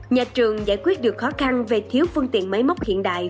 nhà trường giải quyết được khó khăn về thiếu phương tiện máy móc hiện đại